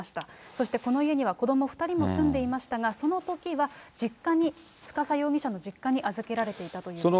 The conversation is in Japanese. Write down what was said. そしてこの家には子ども２人も住んでいましたが、そのときは実家に、司容疑者の実家に預けられていたということです。